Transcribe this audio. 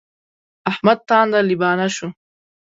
احمد تانده لبانه شو.